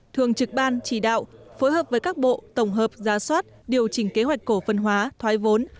thường trực ban chỉ đạo phối hợp với các bộ tổng hợp giá soát điều chỉnh kế hoạch cổ phân hóa thoái vốn